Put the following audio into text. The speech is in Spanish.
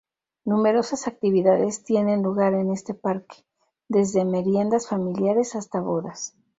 Numerosas actividades tienen lugar en este parque, desde meriendas familiares hasta bodas.